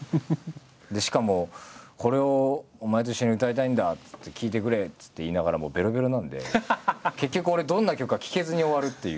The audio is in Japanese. でしかも「これをお前と一緒に歌いたいんだ」っつって「聴いてくれ」っつって言いながらもうべろべろなんで。結局俺どんな曲か聴けずに終わるっていう。